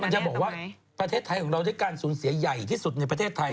จะบอกว่าประเทศไทยของเราด้วยการสูญเสียใหญ่ที่สุดในประเทศไทย